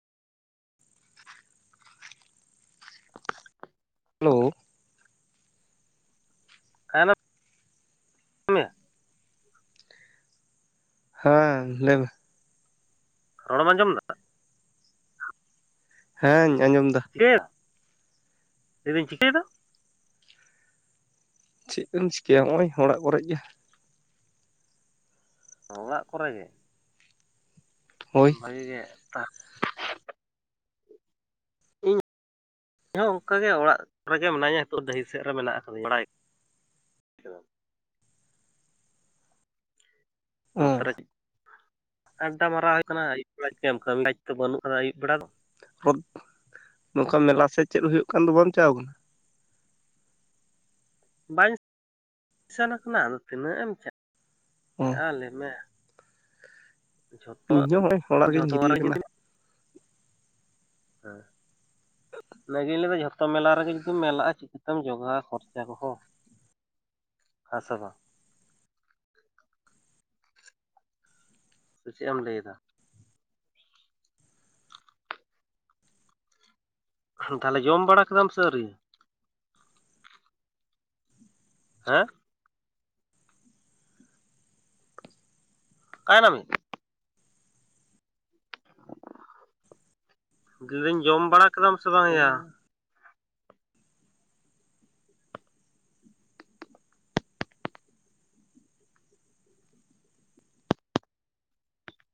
ᱞᱳ [inaudible] ᱢᱮᱭᱟ ᱦᱮᱸ ᱞᱟᱹᱭ ᱢᱮ᱾ ᱨᱚᱲᱮᱢ ᱟᱸᱡᱚᱢᱫᱟ? ᱦᱮᱸᱧ ᱟᱸᱡᱚᱢᱫᱟ᱾ ᱪᱮᱫ ᱞᱟᱹᱭᱮᱫᱟᱹᱧ ᱪᱤᱠᱟᱹᱭᱫᱟ? ᱪᱮᱜ ᱮᱢ ᱪᱤᱠᱟᱹᱭᱟ ᱦᱚᱸᱜᱼᱚᱭ ᱚᱲᱟᱜ ᱠᱚᱨᱮᱜ ᱜᱮ᱾ ᱚ ᱚᱲᱟᱜ ᱠᱚᱨᱮ ᱜᱮ? ᱦᱳᱭ ᱵᱷᱟᱹᱜᱤ ᱜᱮ ᱛᱟ [unintelligible] ᱚᱝᱠᱟᱜ ᱜᱮ ᱚᱲᱟᱜ ᱠᱚ ᱨᱮᱜᱮ ᱢᱮᱱᱟᱹᱧᱟ ᱦᱤᱛᱚᱜ ᱰᱟᱹᱦᱤ ᱥᱮᱜ ᱨᱮ ᱢᱮᱱᱟᱜ ᱠᱟᱫᱟᱹᱧ ᱵᱟᱲᱟᱭ᱾ ᱚ ᱱᱚᱛᱮ ᱨᱮ ᱟᱰᱰᱟ ᱢᱟᱨᱟᱣ ᱦᱩᱭ ᱠᱟᱱᱟ [inaudible] [inaudible] ᱱᱚᱝᱠᱟ ᱢᱮᱞᱟ ᱥᱮ ᱪᱮᱫ ᱦᱩᱭᱩᱜ ᱠᱟᱱ ᱫᱚ ᱵᱟᱢ ᱪᱟᱣ ᱠᱟᱱᱟ? ᱵᱟᱹᱧ ᱥᱮᱱ ᱠᱟᱱᱟ ᱟᱫᱚ ᱛᱤᱱᱟᱹᱜ ᱮᱢ ᱚ [inaudible] ᱞᱟᱹᱭᱢᱮ ᱡᱷᱚᱛᱚ ᱤᱧ ᱦᱚᱸ ᱦᱚᱸᱜᱼᱚᱭ ᱚᱲᱟ ᱨᱮᱜᱤᱧ ᱡᱷᱚᱛᱚ ᱨᱮ ᱜᱤᱛᱤᱡ ᱠᱟᱱᱟ᱾ ᱡᱩᱫᱤ ᱦᱮᱸ ᱚᱱᱟᱜᱤᱧ ᱞᱟᱹᱭᱫᱟ ᱡᱷᱚᱛᱚ ᱢᱮᱞᱟ ᱨᱮᱜᱮ ᱡᱩᱫᱤᱢ ᱢᱮᱞᱟᱜᱼᱟ ᱪᱤᱠᱟ ᱛᱮᱢ ᱡᱚᱜᱟᱣᱟ ᱠᱷᱚᱨᱪᱟ ᱠᱚᱦᱚᱸ᱾ ᱦᱟ ᱥᱮ ᱵᱟᱝ᱾ ᱥᱮ ᱪᱮᱜ ᱮᱢ ᱞᱟᱹᱭᱫᱟ? ᱛᱟᱦᱞᱮ ᱡᱚᱢ ᱵᱟᱲᱟ ᱠᱮᱫᱟᱢ ᱥᱮ ᱟᱹᱣᱨᱤ? ᱦᱮᱸ ᱚᱠᱟᱭ ᱱᱟ [inaudible] [unintelligible] ᱡᱚᱢ ᱵᱟᱲᱟ ᱠᱮᱫᱟᱢ ᱥᱮ ᱵᱟᱝᱭᱟ?